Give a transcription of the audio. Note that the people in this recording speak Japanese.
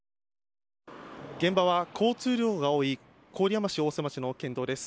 現場は交通量が多い郡山市の県道です。